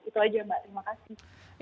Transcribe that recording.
itu aja mbak terima kasih